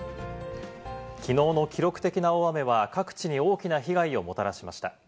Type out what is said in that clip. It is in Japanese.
きのうの記録的な大雨は、各地に大きな被害をもたらしました。